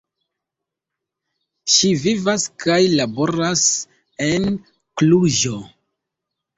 Ŝi vivas kaj laboras en Kluĵo.